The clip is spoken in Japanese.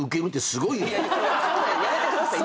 やめてください。